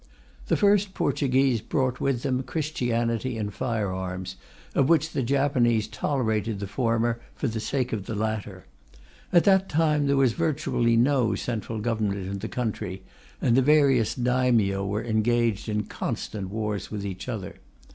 The first Portuguese brought with them Christianity and fire arms, of which the Japanese tolerated the former for the sake of the latter. At that time there was virtually no Central Government in the country, and the various Daimyo were engaged in constant wars with each other.